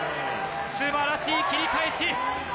素晴らしい切り返し。